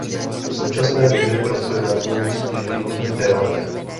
V současné době pracuje na dvou stěžejních tématech.